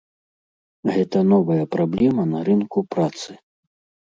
Гэта новая праблема на рынку працы.